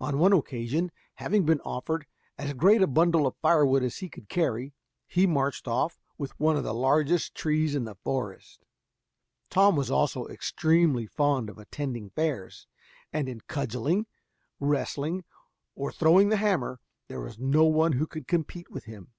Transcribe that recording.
On one occasion, having been offered as great a bundle of fire wood as he could carry, he marched off with one of the largest trees in the forest. Tom was also extremely fond of attending fairs; and in cudgeling, wrestling, or throwing the hammer, there was no one who could compete with him.